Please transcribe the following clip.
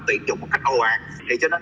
tuyển dụng một cách ồn